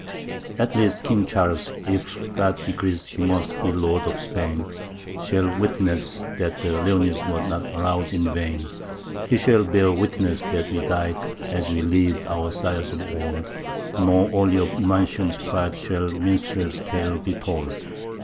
At least King Charles, if God decrees he must be Lord of Spain, Shall witness that the Leonese were not aroused in vain: He shall bear witness that we died as lived our sires of old Nor only of Numantium's pride shall minstrels' tale be told.